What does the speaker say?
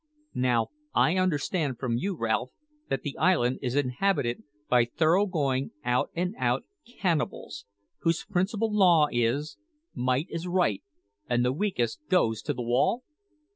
Now, I understand from you, Ralph, that the island is inhabited by thorough going, out and out cannibals, whose principal law is, `Might is right, and the weakest goes to the wall?'"